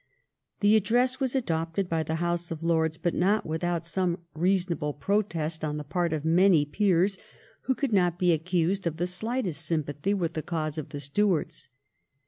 The Address was adopted by the House of Lords, but not without some reasonable 1713 14 ANNE'S EEPLY TO THE ADDRESS. 261 protest on the part of many peers who could not be accused of the slightest sympathy with the cause of the Stuarts.